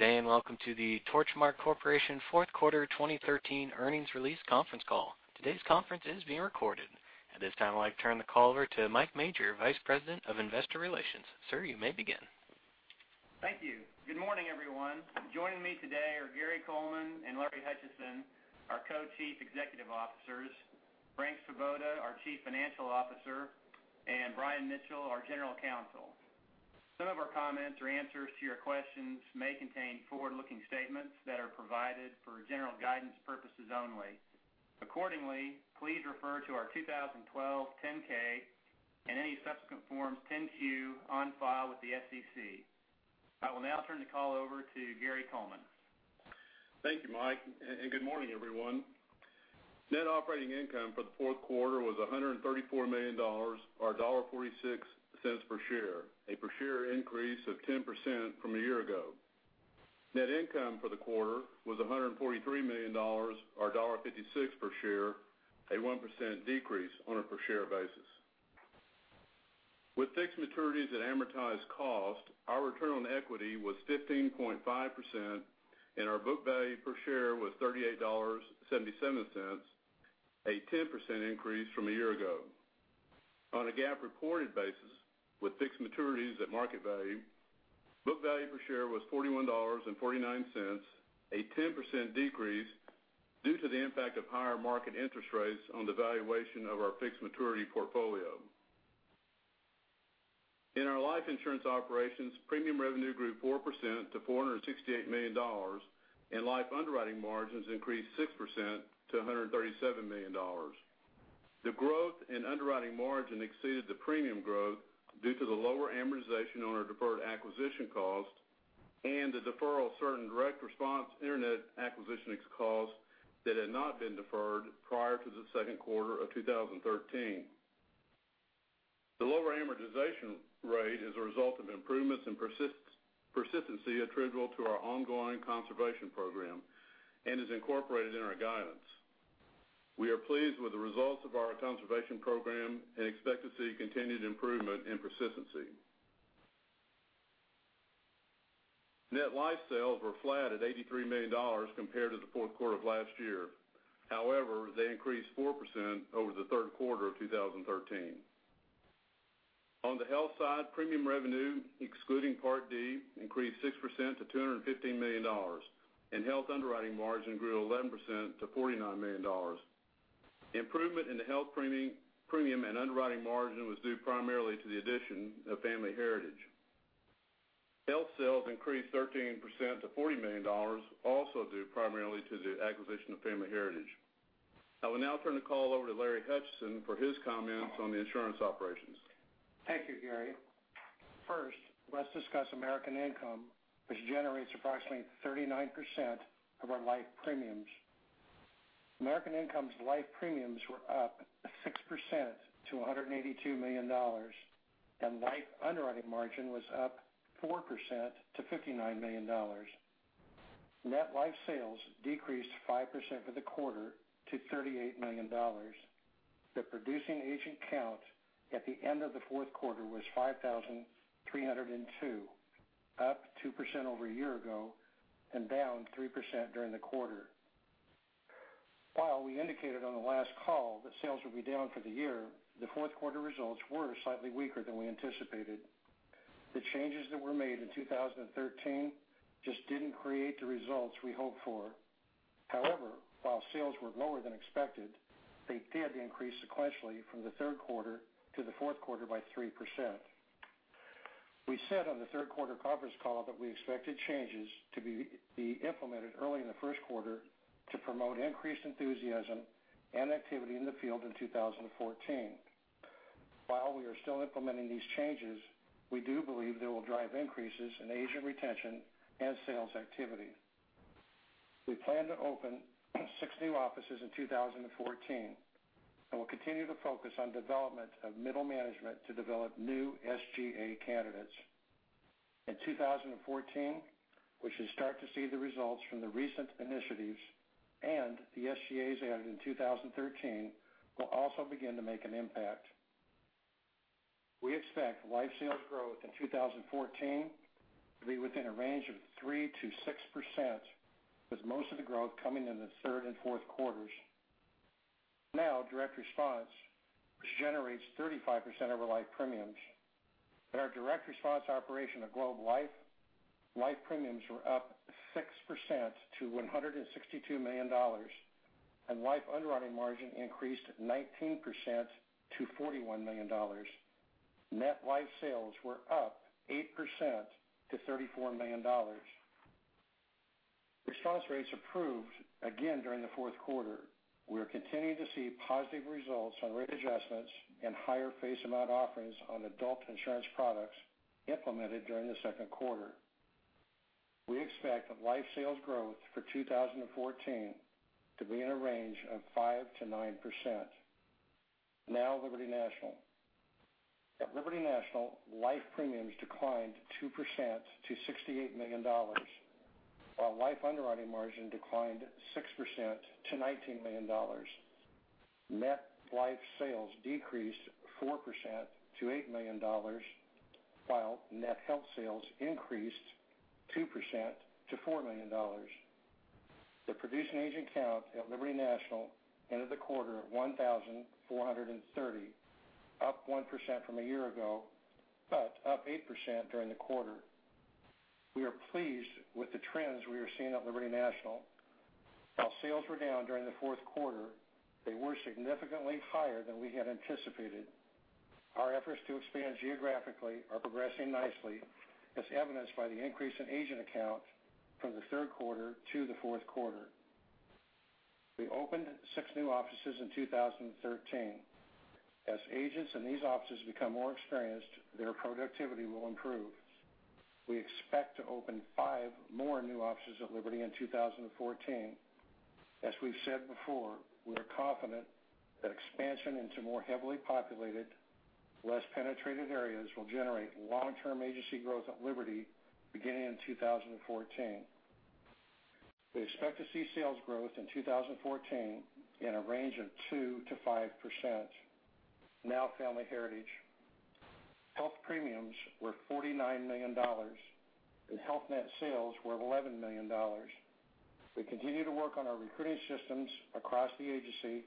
Good day, and welcome to the Torchmark Corporation fourth quarter 2013 earnings release conference call. Today's conference is being recorded. At this time, I'd like to turn the call over to Mike Majors, Vice President of Investor Relations. Sir, you may begin. Thank you. Good morning, everyone. Joining me today are Gary Coleman and Larry Hutchison, our Co-Chief Executive Officers, Frank Svoboda, our Chief Financial Officer, and Brian Mitchell, our General Counsel. Some of our comments or answers to your questions may contain forward-looking statements that are provided for general guidance purposes only. Accordingly, please refer to our 2012 10-K and any subsequent forms, 10-Q on file with the SEC. I will now turn the call over to Gary Coleman. Thank you, Mike, and good morning, everyone. Net operating income for the fourth quarter was $134 million, or $1.46 per share, a per share increase of 10% from a year ago. Net income for the quarter was $143 million, or $1.56 per share, a 1% decrease on a per share basis. With fixed maturities at amortized cost, our return on equity was 15.5%, and our book value per share was $38.77, a 10% increase from a year ago. On a GAAP reported basis, with fixed maturities at market value, book value per share was $41.49, a 10% decrease due to the impact of higher market interest rates on the valuation of our fixed maturity portfolio. In our life insurance operations, premium revenue grew 4% to $468 million, and life underwriting margins increased 6% to $137 million. The growth in underwriting margin exceeded the premium growth due to the lower amortization on our deferred acquisition cost and the deferral of certain Direct Response internet acquisition costs that had not been deferred prior to the second quarter of 2013. The lower amortization rate is a result of improvements in persistency attributable to our ongoing conservation program and is incorporated in our guidance. We are pleased with the results of our conservation program and expect to see continued improvement in persistency. Net life sales were flat at $83 million compared to the fourth quarter of last year. However, they increased 4% over the third quarter of 2013. On the health side, premium revenue, excluding Part D, increased 6% to $215 million, and health underwriting margin grew 11% to $49 million. Improvement in the health premium and underwriting margin was due primarily to the addition of Family Heritage. Health sales increased 13% to $40 million, also due primarily to the acquisition of Family Heritage. I will now turn the call over to Larry Hutchison for his comments on the insurance operations. Thank you, Gary. First, let's discuss American Income, which generates approximately 39% of our life premiums. American Income's life premiums were up 6% to $182 million, and life underwriting margin was up 4% to $59 million. Net life sales decreased 5% for the quarter to $38 million. The producing agent count at the end of the fourth quarter was 5,302, up 2% over a year ago and down 3% during the quarter. While we indicated on the last call that sales would be down for the year, the fourth quarter results were slightly weaker than we anticipated. The changes that were made in 2013 just didn't create the results we hoped for. However, while sales were lower than expected, they did increase sequentially from the third quarter to the fourth quarter by 3%. We said on the third quarter conference call that we expected changes to be implemented early in the first quarter to promote increased enthusiasm and activity in the field in 2014. While we are still implementing these changes, we do believe they will drive increases in agent retention and sales activity. We plan to open six new offices in 2014 and will continue to focus on development of middle management to develop new SGA candidates. In 2014, we should start to see the results from the recent initiatives, and the SGAs added in 2013 will also begin to make an impact. We expect life sales growth in 2014 to be within a range of 3%-6%, with most of the growth coming in the third and fourth quarters. Now, Direct Response, which generates 35% of our life premiums. At our Direct Response operation at Globe Life, life premiums were up 6% to $162 million, and life underwriting margin increased 19% to $41 million. Net life sales were up 8% to $34 million. Response rates improved again during the fourth quarter. We are continuing to see positive results on rate adjustments and higher face amount offerings on adult insurance products implemented during the second quarter. We expect life sales growth for 2014 to be in a range of 5%-9%. Now, Liberty National. At Liberty National, life premiums declined 2% to $68 million, while life underwriting margin declined 6% to $19 million. Net life sales decreased 4% to $8 million, while net health sales increased 2% to $4 million. The producing agent count at Liberty National ended the quarter at 1,430, up 1% from a year ago, but up 8% during the quarter. We are pleased with the trends we are seeing at Liberty National. While sales were down during the fourth quarter, they were significantly higher than we had anticipated. Our efforts to expand geographically are progressing nicely, as evidenced by the increase in agent count from the third quarter to the fourth quarter. We opened 6 new offices in 2013. As agents in these offices become more experienced, their productivity will improve. We expect to open 5 more new offices at Liberty in 2014. As we've said before, we are confident that expansion into more heavily populated, less penetrated areas will generate long-term agency growth at Liberty beginning in 2014. We expect to see sales growth in 2014 in a range of 2%-5%. Family Heritage. Health premiums were $49 million, and health net sales were $11 million. We continue to work on our recruiting systems across the agency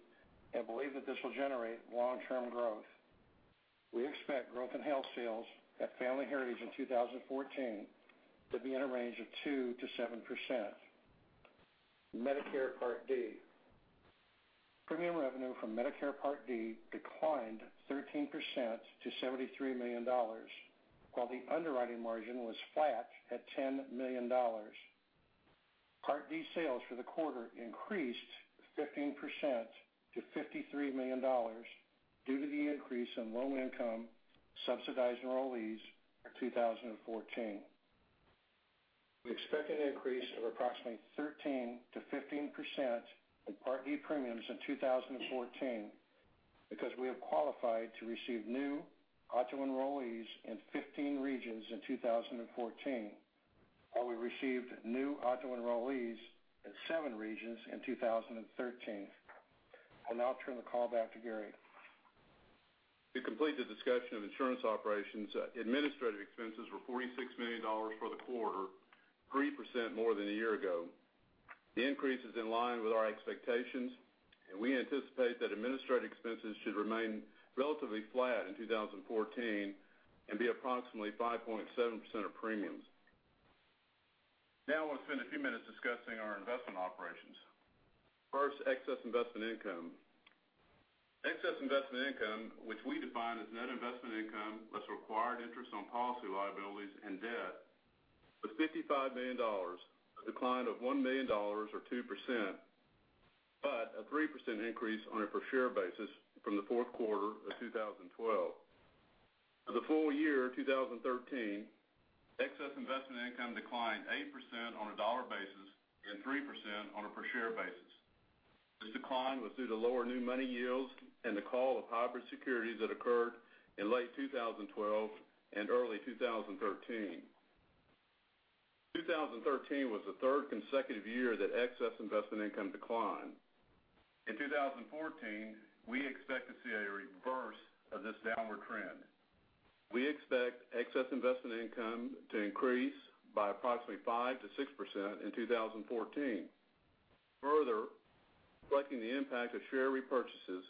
and believe that this will generate long-term growth. We expect growth in health sales at Family Heritage in 2014 to be in a range of 2%-7%. Medicare Part D. Premium revenue from Medicare Part D declined 13% to $73 million, while the underwriting margin was flat at $10 million. Part D sales for the quarter increased 15% to $53 million due to the increase in low-income subsidized enrollees for 2014. We expect an increase of approximately 13%-15% in Part D premiums in 2014 because we have qualified to receive new auto enrollees in 15 regions in 2014, while we received new auto enrollees in 7 regions in 2013. I'll now turn the call back to Gary. To complete the discussion of insurance operations, administrative expenses were $46 million for the quarter, 3% more than a year ago. The increase is in line with our expectations, and we anticipate that administrative expenses should remain relatively flat in 2014 and be approximately 5.7% of premiums. I want to spend a few minutes discussing our investment operations. First, excess investment income. Excess investment income, which we define as net investment income, less required interest on policy liabilities and debt, was $55 million, a decline of $1 million or 2%, but a 3% increase on a per-share basis from the fourth quarter of 2012. For the full year 2013, excess investment income declined 8% on a dollar basis and 3% on a per-share basis. This decline was due to lower new money yields and the call of hybrid securities that occurred in late 2012 and early 2013. 2013 was the third consecutive year that excess investment income declined. In 2014, we expect to see a reverse of this downward trend. We expect excess investment income to increase by approximately 5%-6% in 2014. Further, reflecting the impact of share repurchases,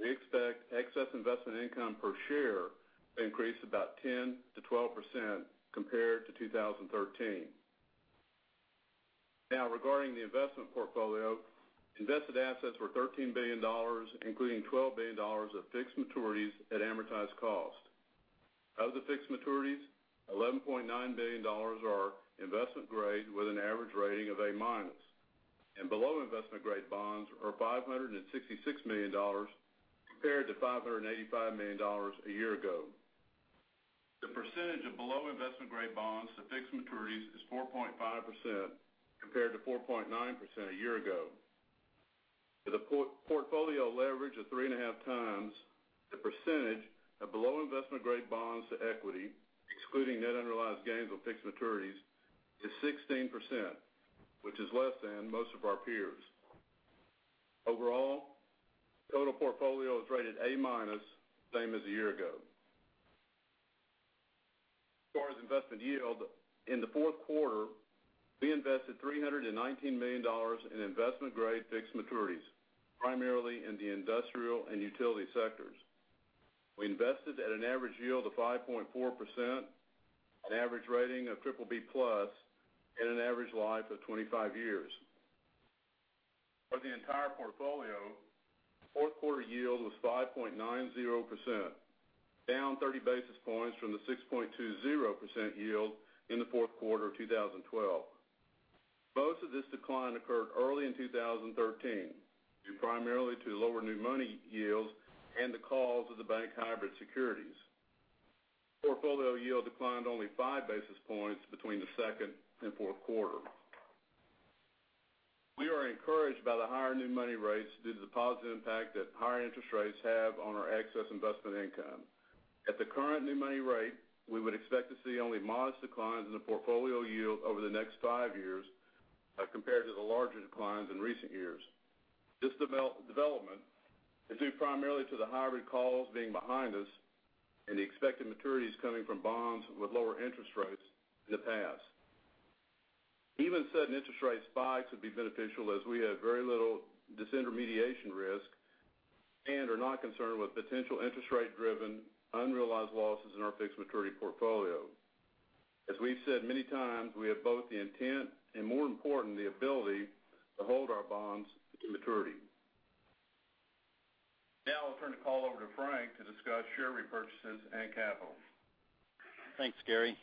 we expect excess investment income per share to increase about 10%-12% compared to 2013. Regarding the investment portfolio, invested assets were $13 billion, including $12 billion of fixed maturities at amortized cost. Of the fixed maturities, $11.9 billion are investment grade with an average rating of A-, and below investment grade bonds are $566 million compared to $585 million a year ago. The percentage of below investment grade bonds to fixed maturities is 4.5% compared to 4.9% a year ago. With a portfolio leverage of 3.5 times, the percentage of below investment grade bonds to equity, excluding net unrealized gains on fixed maturities, is 16%, which is less than most of our peers. Overall, total portfolio is rated A-, same as a year ago. As far as investment yield, in the fourth quarter, we invested $319 million in investment-grade fixed maturities, primarily in the industrial and utility sectors. We invested at an average yield of 5.4%, an average rating of BBB+, and an average life of 25 years. For the entire portfolio, fourth quarter yield was 5.90%, down 30 basis points from the 6.20% yield in the fourth quarter of 2012. Most of this decline occurred early in 2013, due primarily to lower new money yields and the calls of the bank hybrid securities. Portfolio yield declined only five basis points between the second and fourth quarter. We are encouraged by the higher new money rates due to the positive impact that higher interest rates have on our excess investment income. At the current new money rate, we would expect to see only modest declines in the portfolio yield over the next five years compared to the larger declines in recent years. This development is due primarily to the high recalls being behind us and the expected maturities coming from bonds with lower interest rates in the past. Even certain interest rate spikes would be beneficial as we have very little disintermediation risk and are not concerned with potential interest rate-driven unrealized losses in our fixed maturity portfolio. As we've said many times, we have both the intent and, more important, the ability to hold our bonds to maturity. I'll turn the call over to Frank to discuss share repurchases and capital. Thanks, Gary.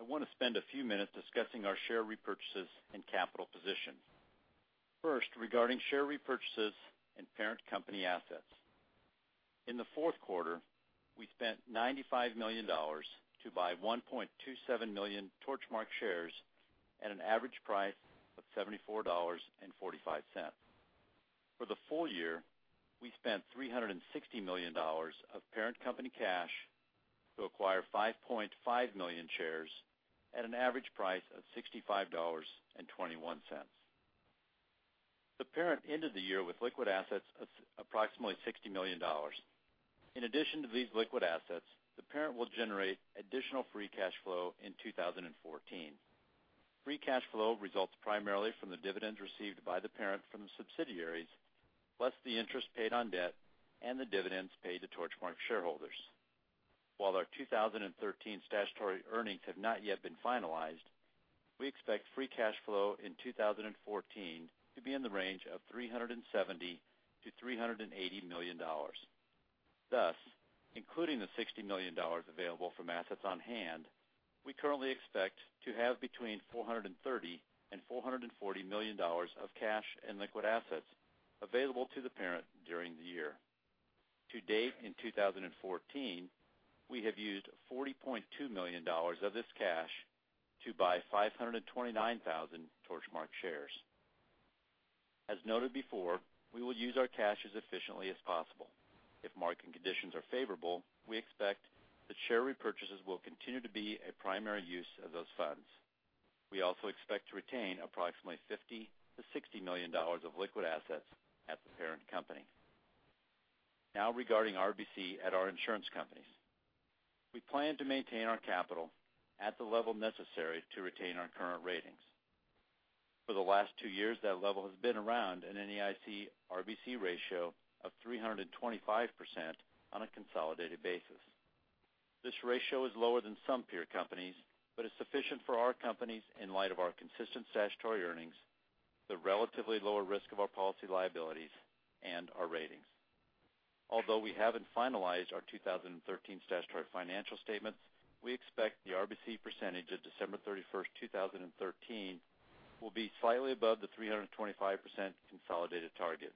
I want to spend a few minutes discussing our share repurchases and capital position. First, regarding share repurchases and parent company assets. In the fourth quarter, we spent $95 million to buy 1.27 million Torchmark shares at an average price of $74.45. For the full year, we spent $360 million of parent company cash to acquire 5.5 million shares at an average price of $65.21. The parent ended the year with liquid assets of approximately $60 million. In addition to these liquid assets, the parent will generate additional free cash flow in 2014. Free cash flow results primarily from the dividends received by the parent from the subsidiaries, plus the interest paid on debt and the dividends paid to Torchmark shareholders. While our 2013 statutory earnings have not yet been finalized, we expect free cash flow in 2014 to be in the range of $370 million-$380 million. Including the $60 million available from assets on hand, we currently expect to have between $430 million and $440 million of cash and liquid assets available to the parent during the year. To date, in 2014, we have used $40.2 million of this cash to buy 529,000 Torchmark shares. As noted before, we will use our cash as efficiently as possible. If market conditions are favorable, we expect that share repurchases will continue to be a primary use of those funds. We also expect to retain approximately $50 million to $60 million of liquid assets at the parent company. Regarding RBC at our insurance companies. We plan to maintain our capital at the level necessary to retain our current ratings. For the last two years, that level has been around an NAIC RBC ratio of 325% on a consolidated basis. This ratio is lower than some peer companies, but is sufficient for our companies in light of our consistent statutory earnings, the relatively lower risk of our policy liabilities, and our ratings. Although we haven't finalized our 2013 statutory financial statements, we expect the RBC percentage of December 31st, 2013, will be slightly above the 325% consolidated target.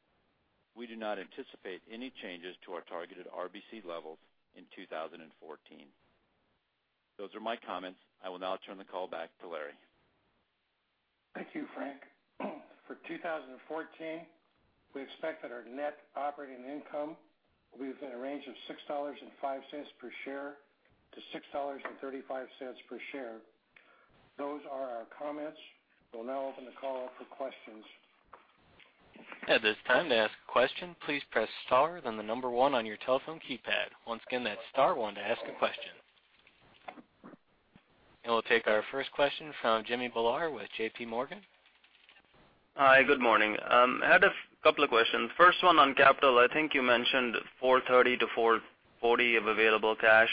We do not anticipate any changes to our targeted RBC levels in 2014. Those are my comments. I will now turn the call back to Larry. Thank you, Frank. For 2014, we expect that our net operating income will be within a range of $6.05 per share to $6.35 per share. Those are our comments. We'll now open the call up for questions. At this time, to ask a question, please press star, then the number one on your telephone keypad. Once again, that's star one to ask a question. We'll take our first question from Jimmy Bhullar with JPMorgan. Hi, good morning. I had a couple of questions. First one on capital. I think you mentioned $430-$440 of available cash.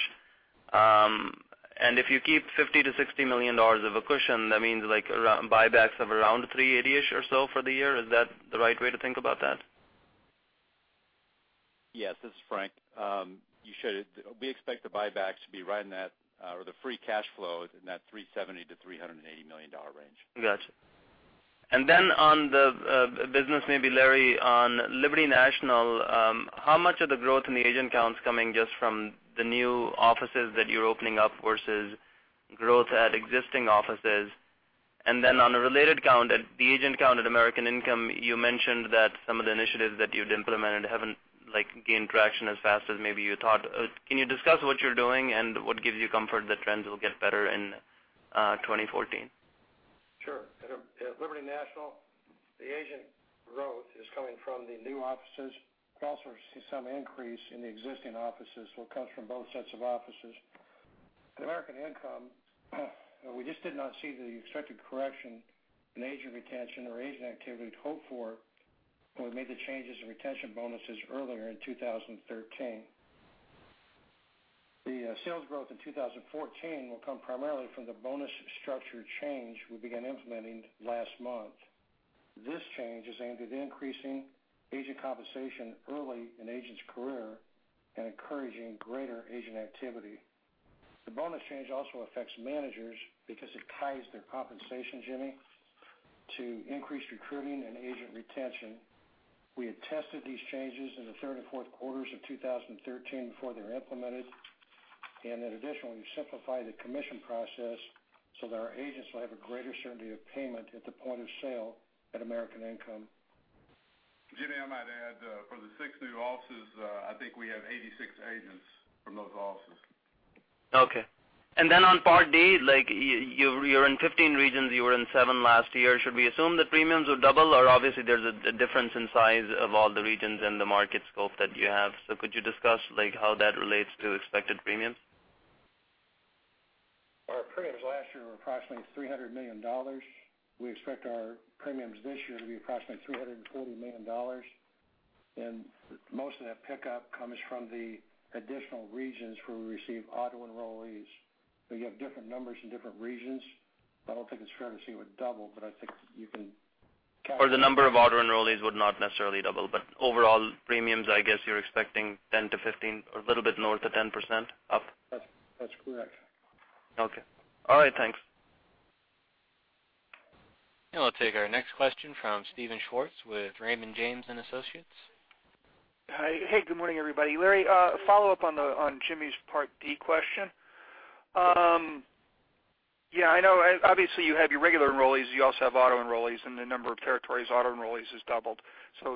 If you keep $50 million-$60 million of a cushion, that means buybacks of around $380-ish or so for the year. Is that the right way to think about that? Yes. This is Frank. We expect the buybacks to be right in that, or the free cash flow in that $370 million-$380 million range. Gotcha. On the business, maybe Larry, on Liberty National, how much of the growth in the agent count is coming just from the new offices that you're opening up versus growth at existing offices? On a related count, the agent count at American Income, you mentioned that some of the initiatives that you'd implemented haven't gained traction as fast as maybe you thought. Can you discuss what you're doing and what gives you comfort that trends will get better in 2014? Sure. At Liberty National, the agent growth is coming from the new offices. We also see some increase in the existing offices. It comes from both sets of offices. At American Income, we just did not see the expected correction in agent retention or agent activity we'd hoped for when we made the changes in retention bonuses earlier in 2013. The sales growth in 2014 will come primarily from the bonus structure change we began implementing last month. This change is aimed at increasing agent compensation early in agents' career and encouraging greater agent activity. The bonus change also affects managers because it ties their compensation, Jimmy, to increased recruiting and agent retention. We had tested these changes in the third and fourth quarters of 2013 before they were implemented. Additionally, we simplified the commission process so that our agents will have a greater certainty of payment at the point of sale at American Income. Jimmy, I might add, for the six new offices, I think we have 86 agents from those offices. Okay. On Part D, you're in 15 regions. You were in seven last year. Should we assume that premiums will double? Obviously, there's a difference in size of all the regions and the market scope that you have. Could you discuss how that relates to expected premiums? Our premiums last year were approximately $300 million. We expect our premiums this year to be approximately $340 million. Most of that pickup comes from the additional regions where we receive auto enrollees. We have different numbers in different regions. I don't think it's fair to say it would double, but I think you can. The number of auto enrollees would not necessarily double, but overall premiums, I guess you're expecting 10%-15% or a little bit north of 10% up. That's correct. Okay. All right. Thanks. We'll take our next question from Steven Schwartz with Raymond James & Associates. Hi. Hey, good morning, everybody. Larry, a follow-up on Jimmy's Part D question. I know, obviously, you have your regular enrollees. You also have auto enrollees, and the number of territories auto enrollees has doubled.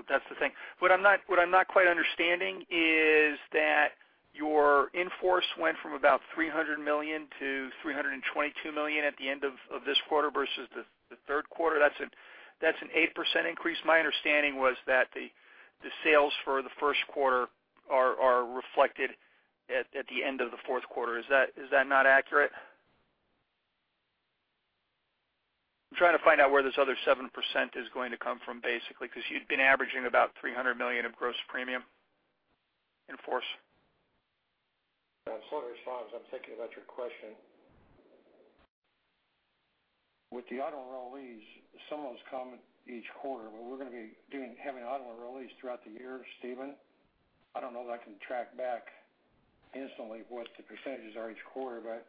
That's the thing. What I'm not quite understanding is that your in-force went from about $300 million to $322 million at the end of this quarter versus the third quarter. That's an 8% increase. My understanding was that the sales for the first quarter are reflected at the end of the fourth quarter. Is that not accurate? I'm trying to find out where this other 7% is going to come from, basically, because you'd been averaging about $300 million of gross premium in-force. I'm still responding as I'm thinking about your question. With the auto enrollees, some of those come each quarter. We're going to be having auto enrollees throughout the year, Steven. I don't know that I can track back instantly what the percentages are each quarter, but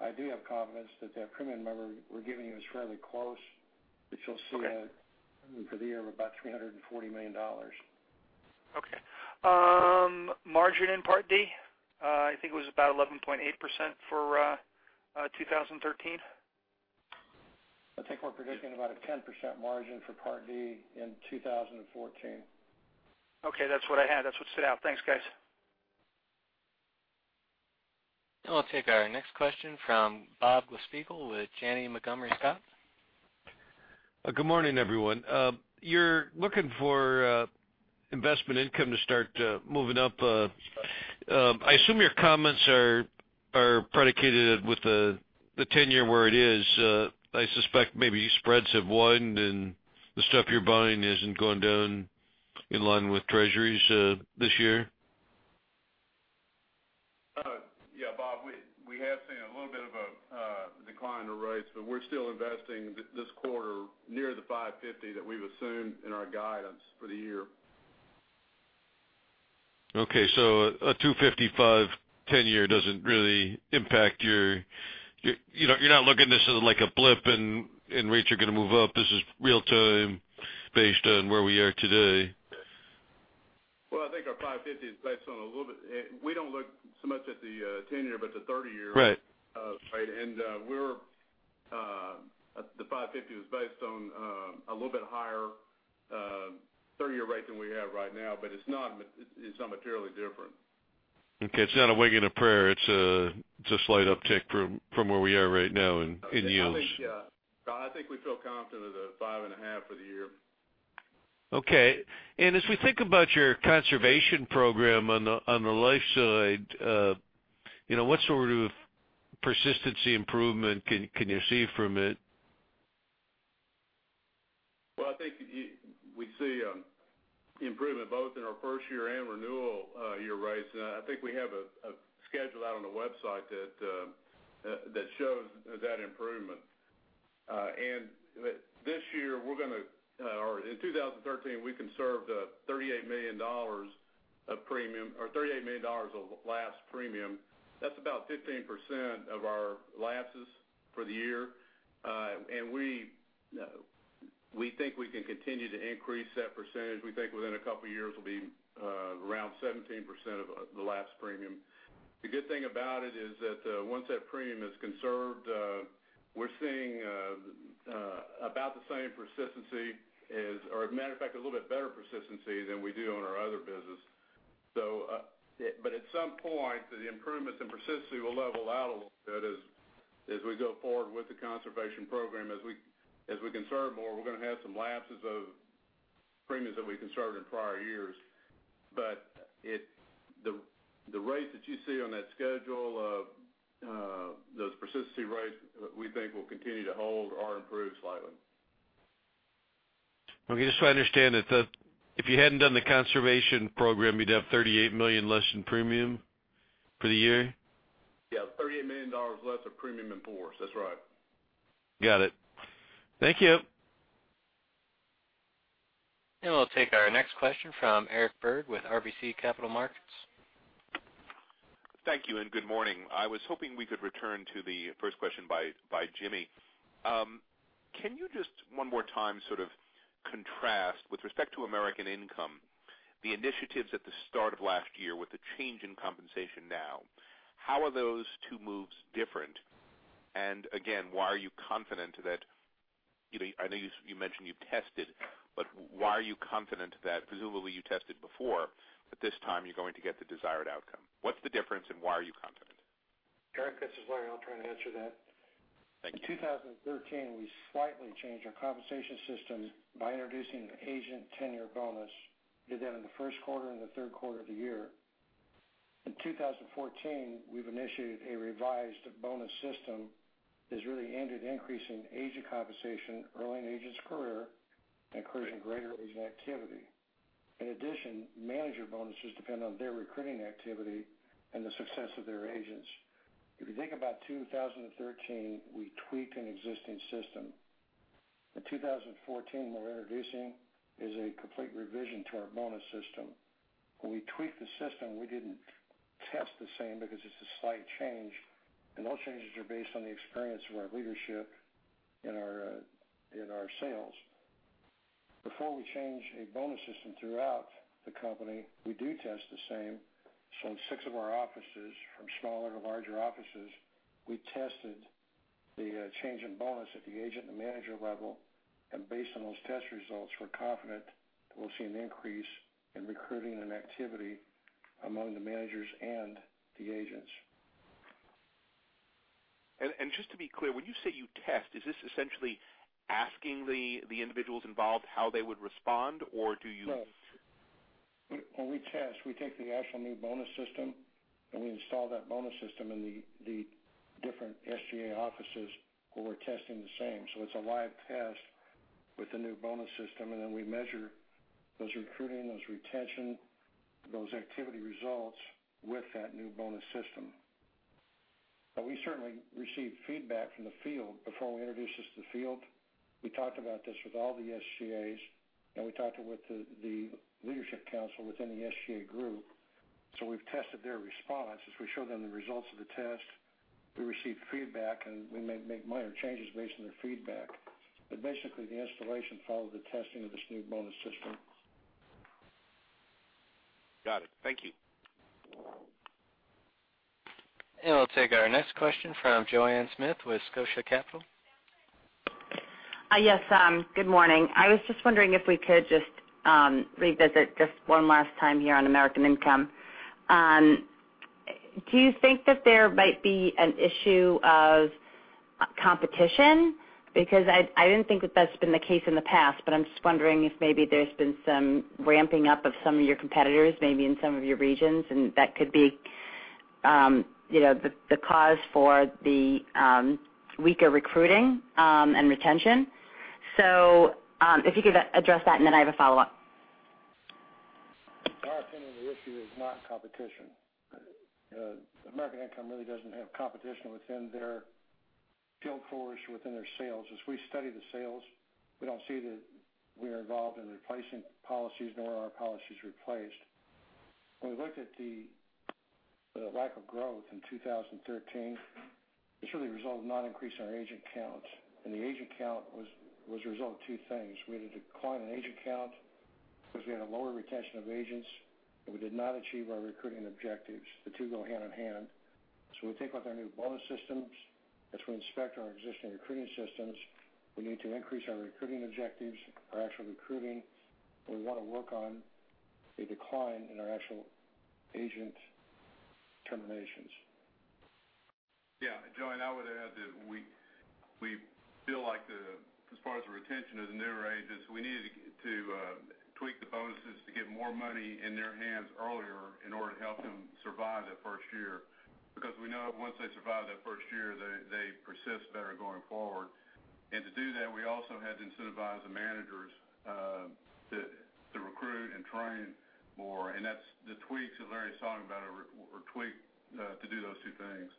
I do have confidence that premium number we're giving you is fairly close, which you'll see for the year of about $340 million. Okay. Margin in Part D? I think it was about 11.8% for 2013. I think we're predicting about a 10% margin for Part D in 2014. Okay. That's what I had. That's what stood out. Thanks, guys. We'll take our next question from Bob Glasspiegel with Janney Montgomery Scott. Good morning, everyone. You're looking for investment income to start moving up. I assume your comments are predicated with the tenure where it is. I suspect maybe spreads have widened and the stuff you're buying isn't going down in line with treasuries this year. Bob, we have seen a little bit of a decline in the rates, but we're still investing this quarter near the 550 that we've assumed in our guidance for the year. a 255 tenure doesn't really impact, you're not looking at this as like a blip, and rates are going to move up. This is real-time based on where we are today. Well, I think our 550 is based on a little bit-- We don't look so much at the tenure, but the 30 year- Right rate. The 550 was based on a little bit higher 30-year rate than we have right now, but it's not materially different. Okay. It's not a wing and a prayer. It's a slight uptick from where we are right now in yields. I think, yeah. I think we feel confident of the 5.5 for the year. Okay. As we think about your conservation program on the life side, what sort of persistency improvement can you see from it? Well, I think we see improvement both in our first year and renewal year rates. I think we have a schedule out on the website that shows that improvement. This year, or in 2013, we conserved $38 million of lapsed premium. That's about 15% of our lapses for the year. We think we can continue to increase that percentage. We think within a couple of years, it will be around 17% of the lapsed premium. The good thing about it is that once that premium is conserved, we're seeing about the same persistency as, or matter of fact, a little bit better persistency than we do on our other business. At some point, the improvements in persistency will level out a little bit as we go forward with the conservation program. As we conserve more, we're going to have some lapses of premiums that we conserved in prior years. The rates that you see on that schedule of those persistency rates, we think will continue to hold or improve slightly. Okay. Just so I understand, if you hadn't done the conservation program, you'd have $38 million less in premium for the year? Yeah, $38 million less of premium in force. That's right. Got it. Thank you. We'll take our next question from Eric Berg with RBC Capital Markets. Thank you, and good morning. I was hoping we could return to the first question by Jimmy. Can you just one more time sort of contrast with respect to American Income. The initiatives at the start of last year with the change in compensation now, how are those two moves different? Again, why are you confident that, I know you mentioned you've tested, but why are you confident that presumably you tested before, but this time you're going to get the desired outcome? What's the difference and why are you confident? Eric, this is Larry. I'll try and answer that. Thank you. In 2013, we slightly changed our compensation system by introducing an agent tenure bonus. Did that in the first quarter and the third quarter of the year. In 2014, we've initiated a revised bonus system that's really aimed at increasing agent compensation early in agents' career, encouraging greater agent activity. In addition, manager bonuses depend on their recruiting activity and the success of their agents. If you think about 2013, we tweaked an existing system. In 2014, what we're introducing is a complete revision to our bonus system. When we tweaked the system, we didn't test the same because it's a slight change, those changes are based on the experience of our leadership and our sales. Before we change a bonus system throughout the company, we do test the same. In six of our offices, from smaller to larger offices, we tested the change in bonus at the agent and the manager level. Based on those test results, we're confident that we'll see an increase in recruiting and activity among the managers and the agents. Just to be clear, when you say you test, is this essentially asking the individuals involved how they would respond, or do you? No. When we test, we take the actual new bonus system, and we install that bonus system in the different SGA offices where we're testing the same. It's a live test with the new bonus system, and then we measure those recruiting, those retention, those activity results with that new bonus system. We certainly receive feedback from the field before we introduce this to the field. We talked about this with all the SGAs, and we talked with the leadership council within the SGA group. We've tested their response as we show them the results of the test. We receive feedback, and we may make minor changes based on their feedback. Basically, the installation follows the testing of this new bonus system. Got it. Thank you. We'll take our next question from Joanne Smith with Scotia Capital. Yes, good morning. I was just wondering if we could just revisit just one last time here on American Income. Do you think that there might be an issue of competition? Because I did not think that that's been the case in the past, but I'm just wondering if maybe there's been some ramping up of some of your competitors, maybe in some of your regions, and that could be the cause for the weaker recruiting and retention. If you could address that, and then I have a follow-up. In our opinion, the issue is not competition. American Income really does not have competition within their field force within their sales. As we study the sales, we do not see that we are involved in replacing policies, nor are our policies replaced. When we looked at the lack of growth in 2013, it is really the result of not increasing our agent count. The agent count was a result of two things. We had a decline in agent count because we had a lower retention of agents, and we did not achieve our recruiting objectives. The two go hand in hand. We think with our new bonus systems, as we inspect our existing recruiting systems, we need to increase our recruiting objectives, our actual recruiting, and we want to work on a decline in our actual agent terminations. Yeah. Joanne, I would add that we feel like as far as the retention of the newer agents, we needed to tweak the bonuses to get more money in their hands earlier in order to help them survive that first year. We know once they survive that first year, they persist better going forward. To do that, we also had to incentivize the managers to recruit and train more. That is the tweaks that Larry's talking about, were tweaked to do those two things.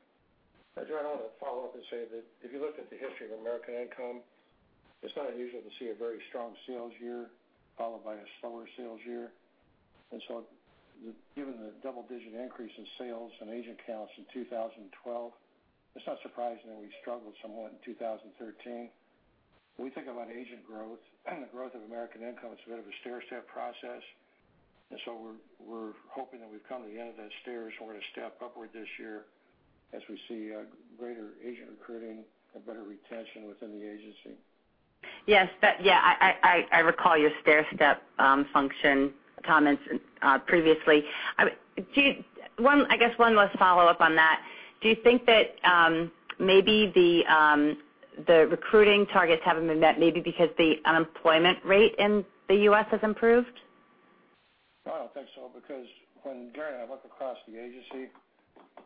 Joanne, I want to follow up and say that if you look at the history of American Income, it's not unusual to see a very strong sales year followed by a slower sales year. Given the double-digit increase in sales and agent counts in 2012, it's not surprising that we struggled somewhat in 2013. When we think about agent growth and the growth of American Income, it's a bit of a stairstep process. We're hoping that we've come to the end of that stair, so we're going to step upward this year as we see a greater agent recruiting, a better retention within the agency. Yes. I recall your stairstep function comments previously. I guess one last follow-up on that. Do you think that maybe the recruiting targets haven't been met maybe because the unemployment rate in the U.S. has improved? No, I don't think so because when Garrett and I look across the agency,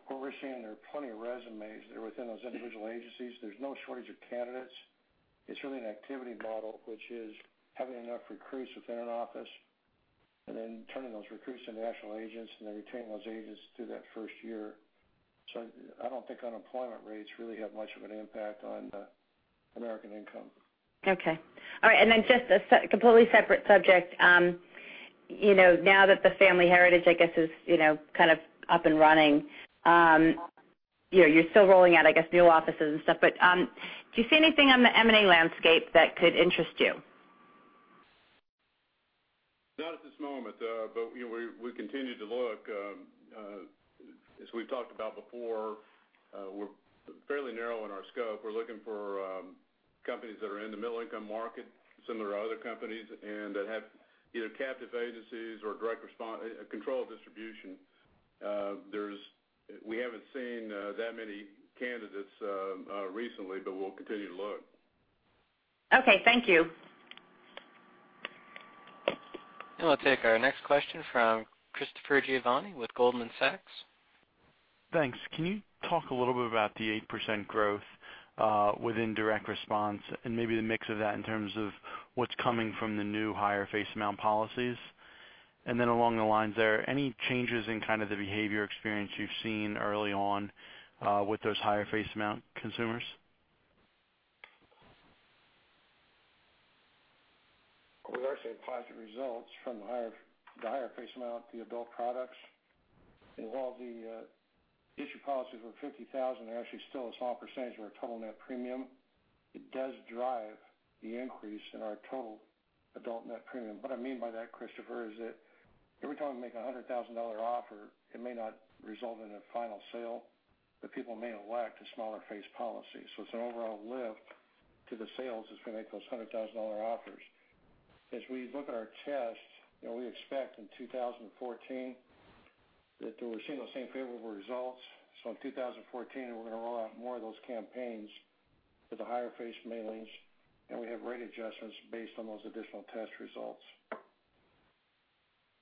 what we're seeing, there are plenty of resumes there within those individual agencies. There's no shortage of candidates. It's really an activity model, which is having enough recruits within an office and then turning those recruits into national agents and then retaining those agents through that first year. I don't think unemployment rates really have much of an impact on American Income. Okay. All right, just a completely separate subject. Now that the Family Heritage, I guess, is kind of up and running You're still rolling out, I guess, new offices and stuff, but do you see anything on the M&A landscape that could interest you? Not at this moment, but we continue to look. As we've talked about before, we're fairly narrow in our scope. We're looking for companies that are in the middle-income market, similar to other companies, and that have either captive agencies or direct control of distribution. We haven't seen that many candidates recently, but we'll continue to look. Okay, thank you. We'll take our next question from Christopher Giovanni with Goldman Sachs. Thanks. Can you talk a little bit about the 8% growth within Direct Response and maybe the mix of that in terms of what's coming from the new higher face amount policies? Along the lines there, any changes in kind of the behavior experience you've seen early on with those higher face amount consumers? We are seeing positive results from the higher face amount, the adult products. While the issued policies were $50,000, they're actually still a small percentage of our total net premium. It does drive the increase in our total adult net premium. What I mean by that, Christopher, is that every time we make a $100,000 offer, it may not result in a final sale, but people may elect a smaller face policy. It's an overall lift to the sales as we make those $100,000 offers. As we look at our test, we expect in 2014 that we're seeing those same favorable results. In 2014, we're going to roll out more of those campaigns with the higher face mailings, and we have rate adjustments based on those additional test results.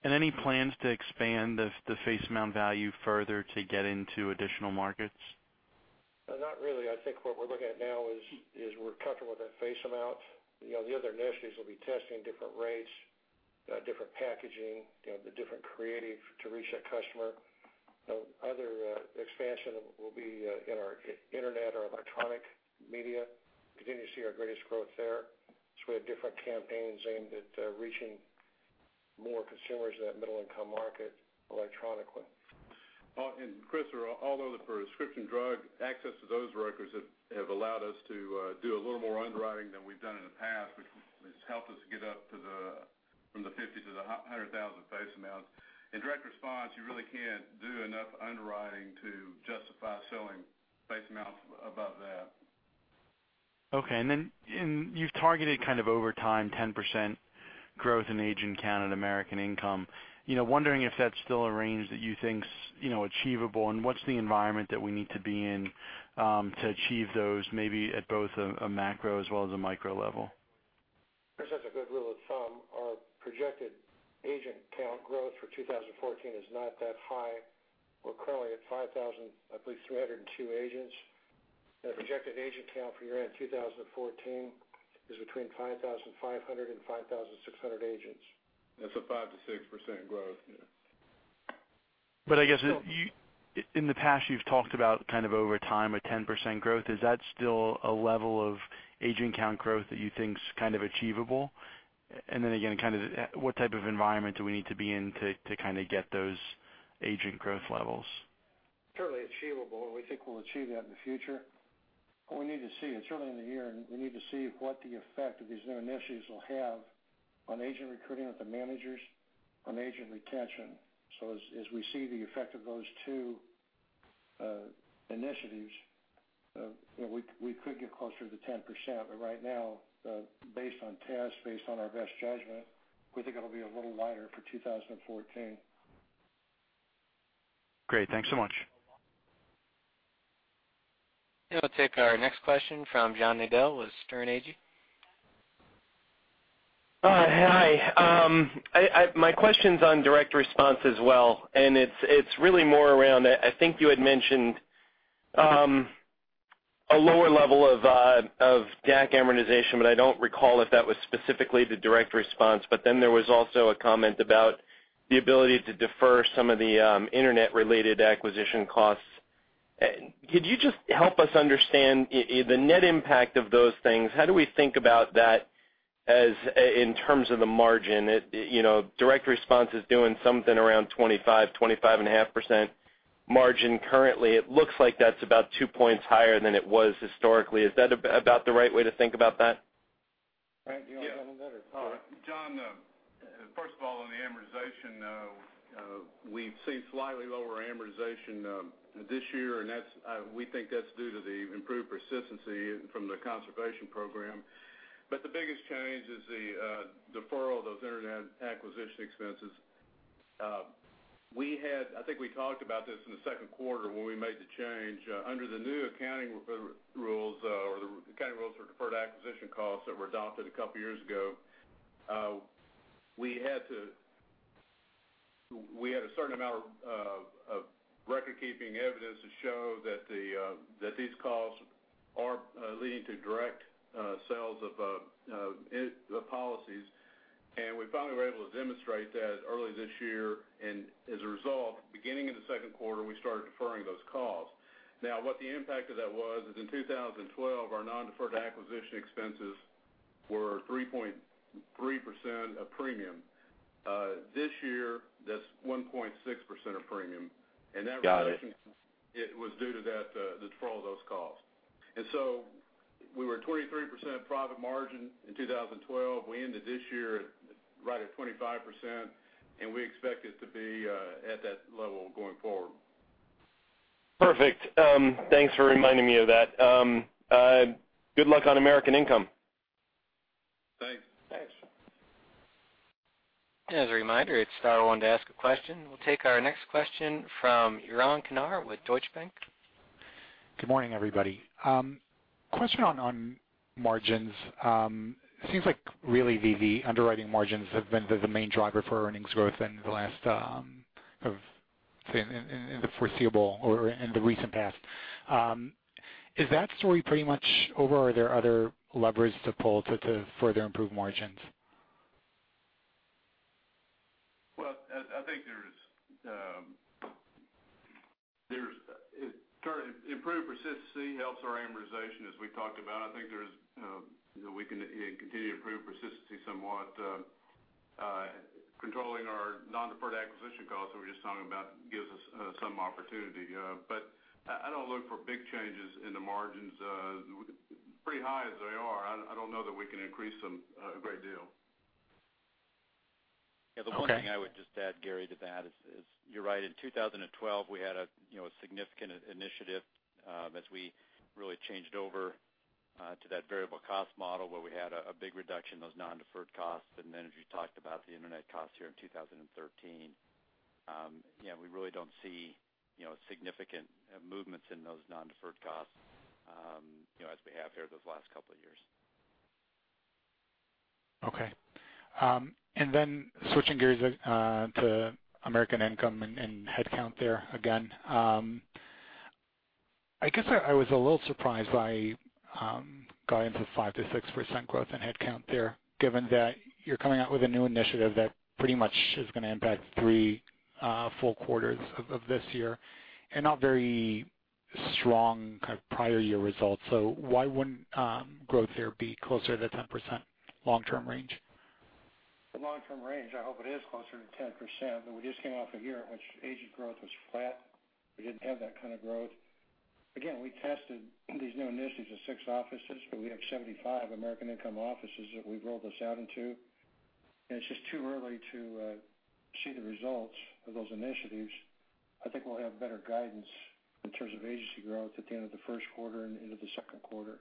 Any plans to expand the face amount value further to get into additional markets? Not really. I think what we're looking at now is we're comfortable with that face amount. The other initiatives will be testing different rates, different packaging, the different creative to reach that customer. Other expansion will be in our internet or electronic media. Continue to see our greatest growth there. We have different campaigns aimed at reaching more consumers in that middle-income market electronically. Chris, although the prescription drug access to those records have allowed us to do a little more underwriting than we've done in the past, which has helped us get up from the 50,000 to the 100,000 face amount. In Direct Response, you really can't do enough underwriting to justify selling face amounts above that. Okay. Then you've targeted over time 10% growth in agent count in American Income. Wondering if that's still a range that you think is achievable, and what's the environment that we need to be in to achieve those, maybe at both a macro as well as a micro level? Chris, that's a good rule of thumb. Our projected agent count growth for 2014 is not that high. We're currently at 5,000, I believe 302 agents. The projected agent count for year-end 2014 is between 5,500 and 5,600 agents. That's a 5%-6% growth. Yeah. I guess, in the past, you've talked about over time, a 10% growth. Is that still a level of agent count growth that you think is achievable? Then again, what type of environment do we need to be in to get those agent growth levels? Currently achievable, and we think we'll achieve that in the future. What we need to see, and it's early in the year, and we need to see what the effect of these new initiatives will have on agent recruiting with the managers on agent retention. As we see the effect of those two initiatives, we could get closer to 10%. Right now based on tests, based on our best judgment, we think it'll be a little lighter for 2014. Great. Thanks so much. We'll take our next question from John Nadel with Sterne Agee. Hi. My question's on Direct Response as well, and it's really more around, I think you had mentioned a lower level of DAC amortization, but I don't recall if that was specifically the Direct Response. There was also a comment about the ability to defer some of the internet-related acquisition costs. Could you just help us understand the net impact of those things? How do we think about that in terms of the margin? Direct Response is doing something around 25.5% margin currently. It looks like that's about two points higher than it was historically. Is that about the right way to think about that? Frank, do you want to handle that or? John, first of all, on the amortization, we've seen slightly lower amortization this year. We think that's due to the improved persistency from the conservation program. The biggest change is the deferral of those internet acquisition expenses. I think we talked about this in the second quarter when we made the change. Under the new accounting rules, or the accounting rules for deferred acquisition costs that were adopted a couple of years ago, we had a certain amount of record-keeping evidence to show that these costs are leading to direct sales of the policies. We finally were able to demonstrate that early this year, and as a result, beginning in the second quarter, we started deferring those costs. Now, what the impact of that was, is in 2012, our non-deferred acquisition expenses were 3.3% of premium. This year, that's 1.6% of premium. That reduction. Got it. It was due to that, for all those costs. We were at 23% profit margin in 2012. We ended this year right at 25%, and we expect it to be at that level going forward. Perfect. Thanks for reminding me of that. Good luck on American Income. Thanks. Thanks. As a reminder, hit star one to ask a question. We'll take our next question from Yaron Kinar with Deutsche Bank. Good morning, everybody. Question on margins. It seems like really the underwriting margins have been the main driver for earnings growth in the foreseeable or in the recent past. Is that story pretty much over, or are there other levers to pull to further improve margins? Well, I think improved persistency helps our amortization, as we talked about. I think we can continue to improve persistency somewhat. Controlling our non-deferred acquisition costs, we're just talking about gives us some opportunity. I don't look for big changes in the margins. Pretty high as they are, I don't know that we can increase them a great deal. Okay. Yeah. The one thing I would just add, Gary, to that is you're right. In 2012, we had a significant initiative as we really changed over to that variable cost model where we had a big reduction in those non-deferred costs. As you talked about the internet costs here in 2013, we really don't see significant movements in those non-deferred costs as we have here those last couple of years. Okay. Switching gears to American Income and head count there again. I guess I was a little surprised by guidance of 5%-6% growth in head count there, given that you're coming out with a new initiative that pretty much is going to impact three full quarters of this year and not very strong prior year results. Why wouldn't growth there be closer to the 10% long-term range? The long-term range, I hope it is closer to 10%. We just came off a year in which agent growth was flat. We didn't have that kind of growth. Again, we tested these new initiatives at six offices. We have 75 American Income offices that we've rolled this out into, and it's just too early to see the results of those initiatives. I think we'll have better guidance in terms of agency growth at the end of the first quarter and into the second quarter.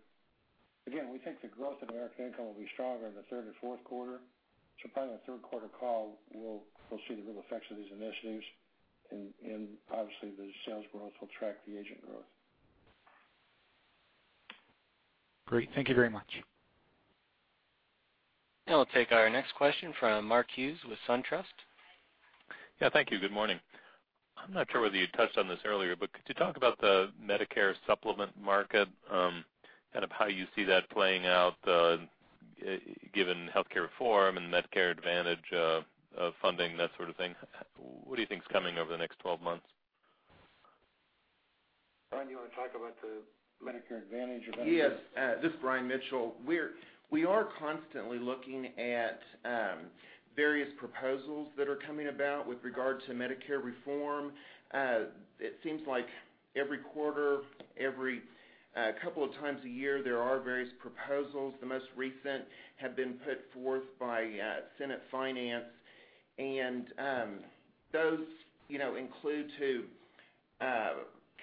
Again, we think the growth in American Income will be stronger in the third or fourth quarter. Probably in the third quarter call, we'll see the real effects of these initiatives, and obviously the sales growth will track the agent growth. Great. Thank you very much. Now we'll take our next question from Mark Hughes with SunTrust. Yeah, thank you. Good morning. I'm not sure whether you touched on this earlier, but could you talk about the Medicare supplement market, how you see that playing out given healthcare reform and Medicare Advantage funding, that sort of thing? What do you think is coming over the next 12 months? Brian, do you want to talk about the Medicare Advantage event? Yes. This is Brian Mitchell. We are constantly looking at various proposals that are coming about with regard to Medicare reform. It seems like every quarter, a couple of times a year, there are various proposals. Those include to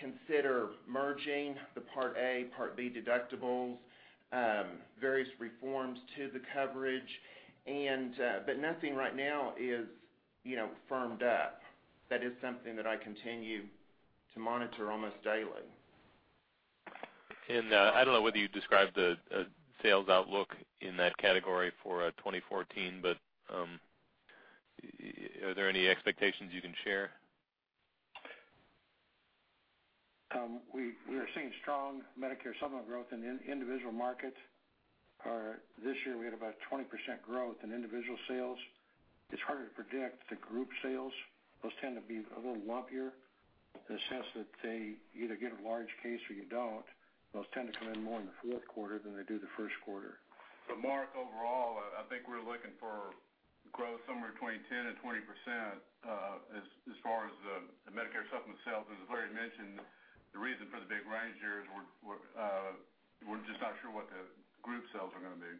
consider merging the Part A, Part B deductibles, various reforms to the coverage. Nothing right now is firmed up. That is something that I continue to monitor almost daily. I don't know whether you described the sales outlook in that category for 2014, are there any expectations you can share? We are seeing strong Medicare supplement growth in the individual market. This year we had about 20% growth in individual sales. It's harder to predict the group sales. Those tend to be a little lumpier in the sense that they either get a large case or you don't. Those tend to come in more in the fourth quarter than they do the first quarter. Mark, overall, I think we're looking for growth somewhere between 10% and 20% as far as the Medicare supplement sales. As Larry mentioned, the reason for the big range here is we're just not sure what the group sales are going to be.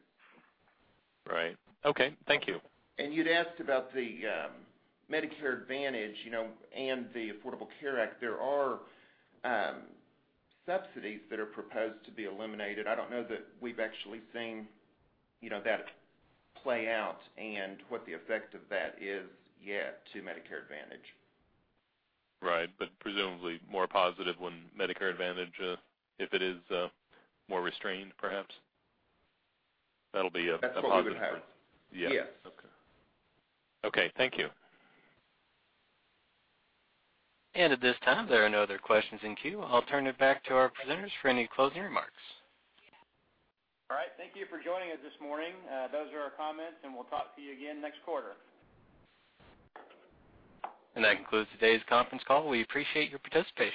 Right. Okay. Thank you. You'd asked about the Medicare Advantage and the Affordable Care Act. There are subsidies that are proposed to be eliminated. I don't know that we've actually seen that play out and what the effect of that is yet to Medicare Advantage. Right. Presumably more positive when Medicare Advantage, if it is more restrained, perhaps? That'll be a positive. That's what we would have. Yeah. Yes. Okay. Okay, thank you. At this time, there are no other questions in queue. I'll turn it back to our presenters for any closing remarks. All right. Thank you for joining us this morning. Those are our comments, and we'll talk to you again next quarter. That concludes today's conference call. We appreciate your participation